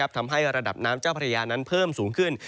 ทำให้ระดับน้ำเจ้าพระยานั้นเพิ่มสูงขึ้น